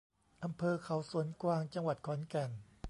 อำเภอเขาสวนกวาง จังหวัดขอนแก่น